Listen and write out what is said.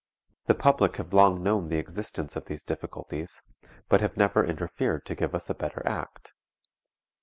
The public have long known the existence of these difficulties, but have never interfered to give us a better act.